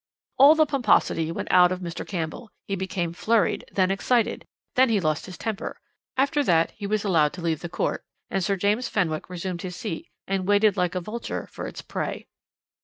"All the pomposity went out of Mr. Campbell, he became flurried, then excited, then he lost his temper. After that he was allowed to leave the court, and Sir James Fenwick resumed his seat, and waited like a vulture for its prey.